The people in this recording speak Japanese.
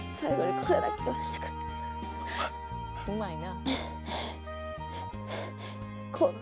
うまいな。